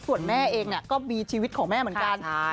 ส่วนแม่เองก็มีชีวิตของแม่เหมือนกัน